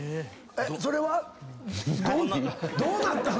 それはどうなったの⁉